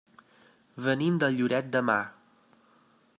Venim de Lloret de Mar.